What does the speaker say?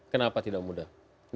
kenapa tidak mudah